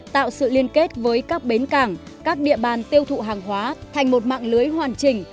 tạo sự liên kết với các bến cảng các địa bàn tiêu thụ hàng hóa thành một mạng lưới hoàn chỉnh